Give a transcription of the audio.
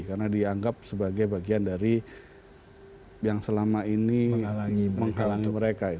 karena dianggap sebagai bagian dari yang selama ini menghalangi mereka